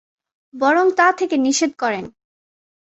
বরং তা থেকে নিষেধ করেন।